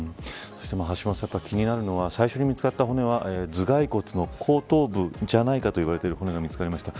橋下さん、気になるのは最初に見付かった骨は頭蓋骨の後頭部じゃないかといわれている骨が見つかりました。